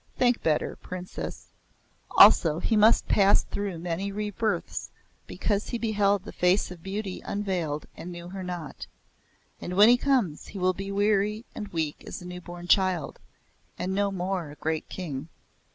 Think better, Princess! Also, he must pass through many rebirths, because he beheld the face of Beauty unveiled and knew her not. And when he comes he will be weary and weak as a new born child, and no more a great King."